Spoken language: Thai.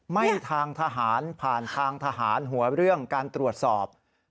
ไม่ทางทหารผ่านทางทหารหัวเรื่องการตรวจสอบ